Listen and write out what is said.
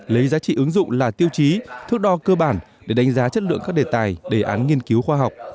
lấy giá trị ứng dụng là tiêu chí thước đo cơ bản để đánh giá chất lượng các đề tài đề án nghiên cứu khoa học